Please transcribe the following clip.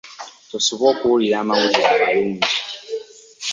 Tosubwa okuwulira amawulire amalungi.